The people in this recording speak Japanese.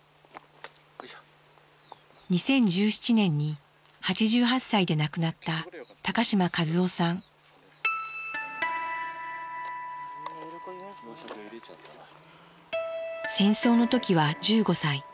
２０１７年に８８歳で亡くなった戦争の時は１５歳。